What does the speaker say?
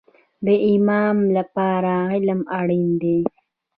د ایمان لپاره علم اړین دی